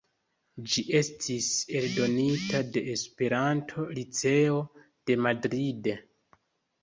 Ĝi estis eldonita de Esperanto-Liceo de Madrid.